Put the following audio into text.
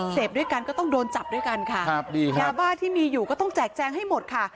เสพด้วยกันก็ต้องโดนจับด้วยกันค่ะครับดีครับยาบ้าที่มีอยู่ก็ต้องแจกแจงให้หมดค่ะ